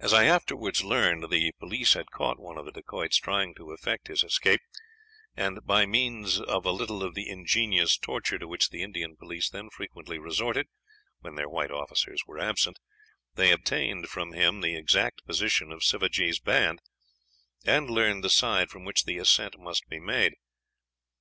"As I afterwards learned, the police had caught one of the Dacoits trying to effect his escape, and by means of a little of the ingenious torture to which the Indian police then frequently resorted, when their white officers were absent, they obtained from him the exact position of Sivajee's band, and learned the side from which the ascent must be made.